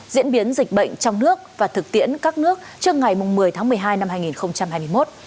diễn biến dịch bệnh trong nước và thực tiễn các nước trước ngày một mươi tháng một mươi hai năm hai nghìn hai mươi một